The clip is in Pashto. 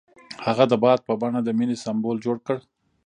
هغه د باد په بڼه د مینې سمبول جوړ کړ.